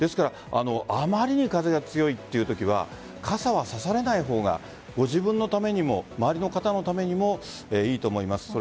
あまりに風が強いときは傘は差されない方がご自分のためにも周りの方のためにもいいと思います。